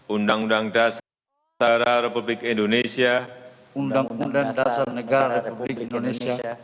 undang undang dasar negara republik indonesia